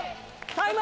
タイム！